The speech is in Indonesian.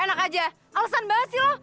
enak aja alesan banget sih lo